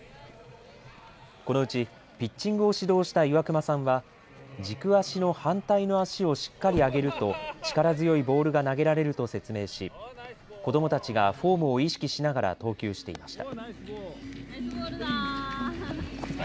このうちピッチングを指導した岩隈さんは軸足の反対の足をしっかり上げると力強いボールが投げられると説明し子どもたちがフォームを意識しながら投球していました。